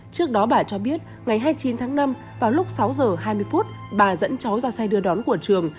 trước đó bà cho biết ngày hai mươi chín tháng năm vào lúc sáu giờ hai mươi phút bà dẫn cháu ra xe đưa đón của trường